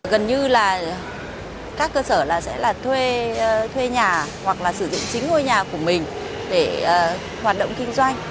gần như là các cơ sở sẽ là thuê thuê nhà hoặc là sử dụng chính ngôi nhà của mình để hoạt động kinh doanh